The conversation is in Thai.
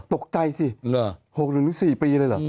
ตกใจสิ๖เดือนถึง๔ปีเลยเหรอ